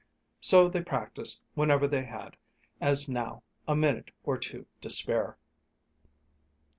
So they practised whenever they had, as now, a minute or two to spare.